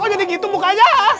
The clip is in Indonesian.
kok jadi gitu mukanya